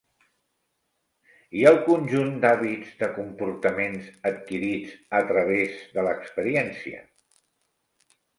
I el conjunt d'hàbits de comportament adquirits a través de l'experiència?